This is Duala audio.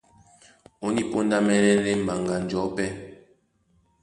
Ó ní póndá mɛ́nɛ́ ndé mbaŋga njɔ̌ pɛ́,